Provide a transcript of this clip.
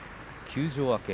休場明け